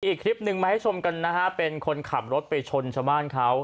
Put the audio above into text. อีกคลิปหนึ่งมาให้ชมกันนะฮะเป็นคนขับรถไปชนชาวบ้านเขา